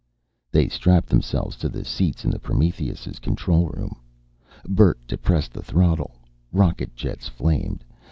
They strapped themselves to the seats in the Prometheus' control room. Bert depressed the throttle. Rocket jets flamed.